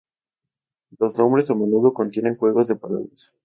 Los nombres a menudo contienen juegos de palabras.